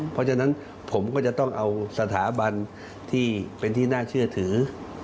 เพราะฉะนั้นผมก็จะต้องเอาสถาบันที่เป็นที่น่าเชื่อถือ